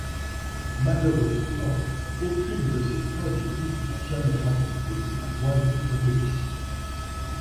Malheureusement, aucune de ces trois équipes n'a jamais remporté la moindre compétition.